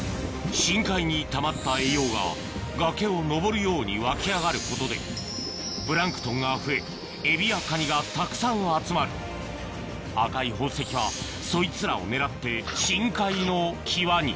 深海にたまった栄養が崖を上るように湧き上がることでプランクトンが増えエビやカニがたくさん集まる赤い宝石はそいつらを狙って深海の際に穴に？